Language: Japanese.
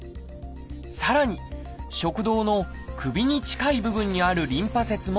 さらに食道の首に近い部分にあるリンパ節も切除。